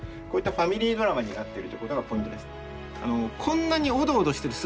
こういったファミリードラマになってるということがポイントです。